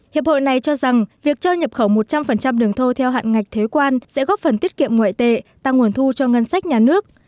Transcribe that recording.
hiệp hội này cho rằng việc cho nhập khẩu một trăm linh đường thô theo hạn ngạch thuế quan sẽ góp phần tiết kiệm ngoại tệ tăng nguồn thu cho ngân sách nhà nước